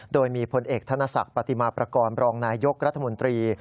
โดยมีพลเอกธนศักดิ์ปฏิมาประกอบรองนายยกรัฐมนตรี